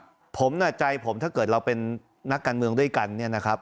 ผมน่ะใจผมถ้าเกิดเราเป็นนักการเมืองด้วยกันเนี่ยนะครับ